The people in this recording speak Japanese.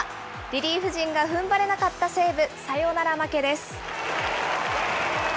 リリーフ陣がふんばれなかった西武、サヨナラ負けです。